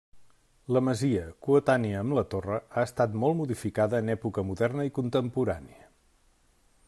La masia, coetània amb la torre, ha estat molt modificada en època moderna i contemporània.